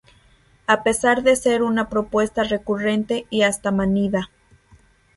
a pesar de ser una propuesta recurrente y hasta manida